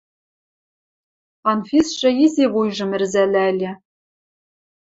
Анфисшӹ изи вуйжым ӹрзӓлӓльӹ.